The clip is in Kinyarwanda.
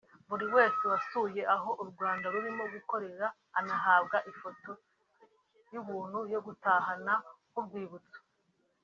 Buri wese wasuye aho u Rwanda rurimo gukorera anahabwa ifoto y’ubuntu yo gutahana nk’urwibutso